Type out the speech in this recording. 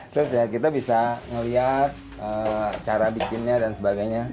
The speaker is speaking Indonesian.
terus kita bisa ngeliat cara bikinnya dan sebagainya